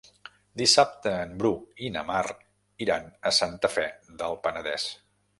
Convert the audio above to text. Dissabte en Bru i na Mar iran a Santa Fe del Penedès.